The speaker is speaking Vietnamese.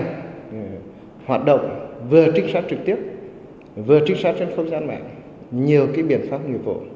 nhiều hoạt động vừa trích sát trực tiếp vừa trích sát trên không gian mạng nhiều biện pháp nghiệp vụ